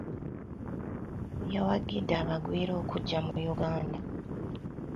Yawagidde abagwira okujja mu Yuganda.